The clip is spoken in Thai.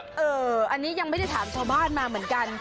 อันนี้ยังไม่ได้ถามชาวบ้านมาเหมือนกัน